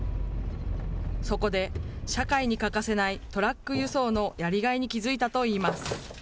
そこで、社会に欠かせないトラック輸送のやりがいに気付いたといいます。